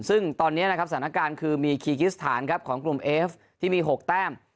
ซึ่งตอนนี้นะครับสถานการณ์คือมีคีกิสถานครับของกลุ่มเอฟที่มี๖แต้ม